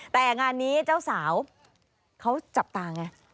แต่งานนี้เจ้าสาวเขาจับตาไง